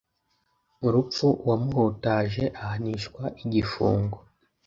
urupfu uwamuhutaje ahanishwa igifungo